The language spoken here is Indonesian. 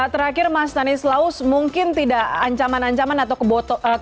oke terakhir mas stanislaus mungkin tidak ancaman ancaman atau kebocoran